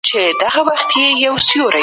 زه کولای سم د دې موضوع په اړه مقاله وليکم.